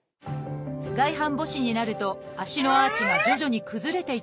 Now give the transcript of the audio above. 外反母趾になると足のアーチが徐々に崩れていきます。